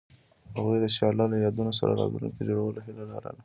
هغوی د شعله له یادونو سره راتلونکی جوړولو هیله لرله.